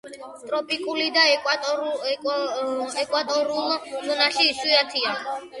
ტროპიკულ და ეკვატორულ ზონაში იშვიათია.